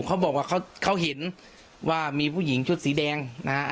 เขาบอกว่าเขาเห็นว่ามีผู้หญิงชุดสีแดงนะฮะ